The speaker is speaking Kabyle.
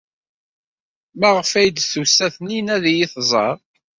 Maɣef ay d-tusa Taninna ad iyi-tẓer?